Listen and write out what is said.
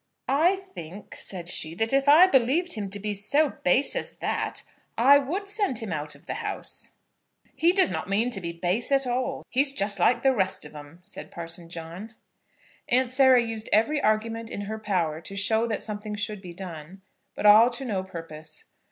"I think," said she, "that if I believed him to be so base as that, I would send him out of the house." "He does not mean to be base at all. He's just like the rest of 'em," said Parson John. Aunt Sarah used every argument in her power to show that something should be done; but all to no purpose.